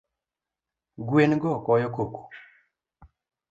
Gwen go goyo koko